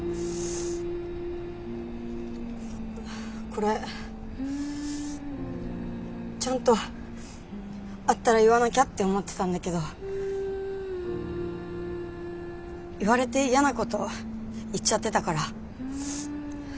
これちゃんと会ったら言わなきゃって思ってたんだけど言われてやなこと言っちゃってたから。